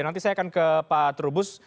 nanti saya akan ke pak trubus